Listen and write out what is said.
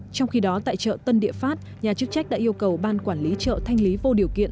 trong khi đó tại chợ tân địa phát nhà chức trách đã yêu cầu ban quản lý chợ thanh lý vô điều kiện